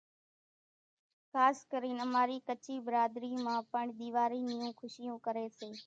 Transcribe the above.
خاص ڪرين اماري ڪڇي ڀراڌري مان پڻ ۮيوارِي نيون کُشيون ڪري سي،